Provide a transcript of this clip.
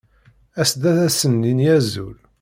As-d ad asen-nini azul.